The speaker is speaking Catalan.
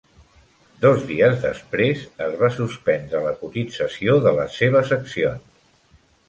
Dos dies després, es va suspendre la cotització de les seves accions.